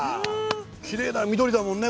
きれいな緑だもんね